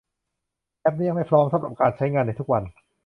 แอพนี้ยังไม่พร้อมสำหรับการใช้งานในทุกวัน